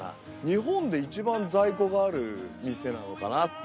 日本で一番在庫がある店なのかなって。